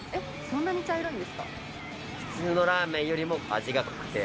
そんなに茶色いんですか？